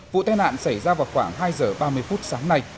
vụ tai nạn xảy ra vào khoảng hai giờ ba mươi phút sáng nay